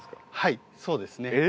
はいそうですね。